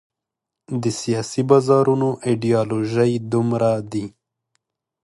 د سیاسي بازارونو ایډیالوژۍ دومره دي.